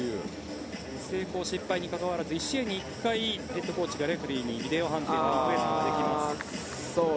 成功失敗に関わらず１試合に１回ヘッドコーチがレフェリーにビデオ判定を申請できます。